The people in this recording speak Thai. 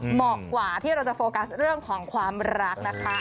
เหมาะกว่าที่เราจะโฟกัสเรื่องของความรักนะคะ